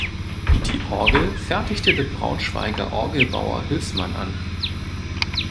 Die Orgel fertigte der Braunschweiger Orgelbauer Hülsmann an.